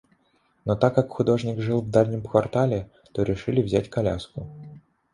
Но так как художник жил в дальнем квартале, то решили взять коляску.